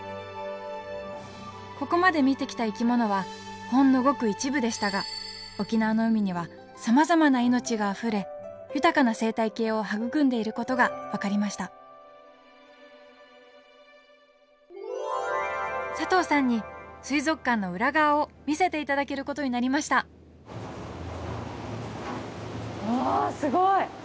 ここまで見てきた生き物はほんのごく一部でしたが沖縄の海にはさまざまな命があふれ豊かな生態系を育んでいることが分かりました佐藤さんに水族館の裏側を見せていただけることになりましたわすごい！